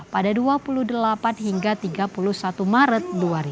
pada dua puluh delapan hingga tiga puluh satu maret dua ribu dua puluh